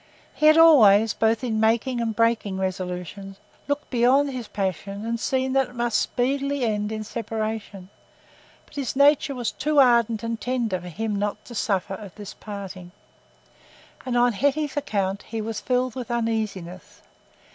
He had always, both in making and breaking resolutions, looked beyond his passion and seen that it must speedily end in separation; but his nature was too ardent and tender for him not to suffer at this parting; and on Hetty's account he was filled with uneasiness.